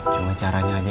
hanya caranya yang salah